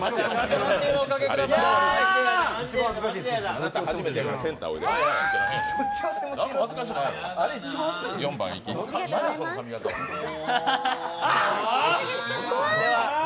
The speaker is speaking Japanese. あなた初めてやからセンターおいで。